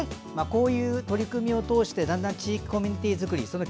こういう取り組みを通して地域コミュニティー作りの